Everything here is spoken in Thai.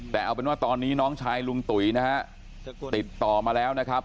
แต่เอาเป็นว่าตอนนี้น้องชายลุงตุ๋ยนะฮะติดต่อมาแล้วนะครับ